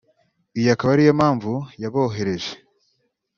iyo ikaba ari yo mpamvu yabohereje